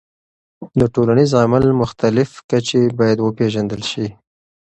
د ټولنیز عمل مختلف کچې باید وپیژندل سي.